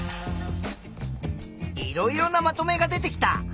いろいろなまとめが出てきた！